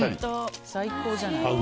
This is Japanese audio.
最高じゃない。